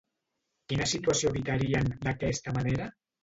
Quina situació evitarien, d'aquesta manera?